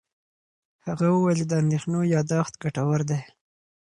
هغه وویل چې د اندېښنو یاداښت ګټور دی.